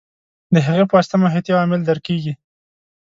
د هغې په واسطه محیطي عوامل درک کېږي.